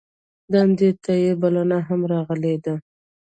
دندې ته یې بلنه هم راغلې ده.